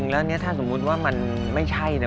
แล้วเนี่ยถ้าสมมุติว่ามันไม่ใช่นะ